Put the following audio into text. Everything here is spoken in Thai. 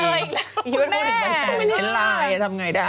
พี่แมนพูดถึงมันแต่เห็นไลน์ทำอย่างไรได้